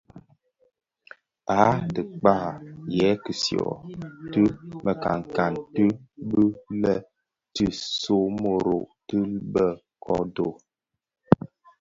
A dhikpää, yè tishyō ti mekankan ti bë lè Ntsomorogo dhi bë ködő.